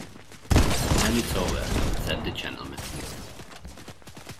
‘Hand it over,’ said the gentleman.